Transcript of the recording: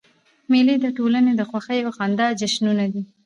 مېلې د ټولني د خوښیو او خندا جشنونه دي.